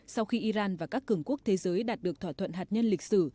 sau khi iran và các cường quốc thế giới đạt được thỏa thuận hạt nhân lịch sử